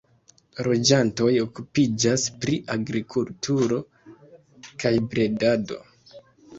La loĝantoj okupiĝas pri agrikulturo kaj bredado.